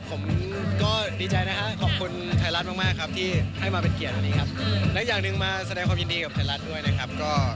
ผมดีใจนะคะขอบคุณไทรัตท์มากครับที่ให้มาเป็นเกียรติและอย่างนึงมาแสดงความยินดีครับไทรัท